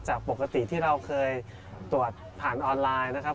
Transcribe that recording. จากปกติที่เราเคยตรวจผ่านออนไลน์นะครับ